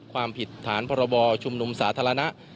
ความผิดฐานพรบชุมนุมสาธารณะ